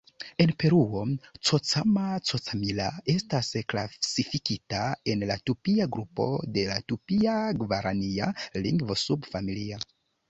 En Peruo, "Cocama-Cocamilla" estas klasifikita en la Tupia grupo de la Tupia-Gvarania lingvo-subfamilio.